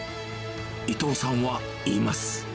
伊藤さんは言います。